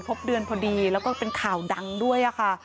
พบเดือนพอดีแล้วก็เป็นข่าวดังด้วยค่ะ